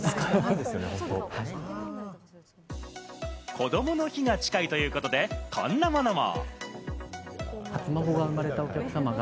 こどもの日が近いということで、こんなものも。